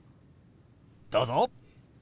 どうぞ。